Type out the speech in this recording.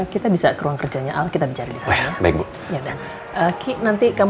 kita bisa ke ruang kerjanya al kita bicara di sana